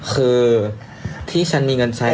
คือที่ฉันมีเงินใช้